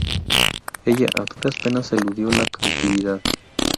Ella a duras penas eludió la cautividad.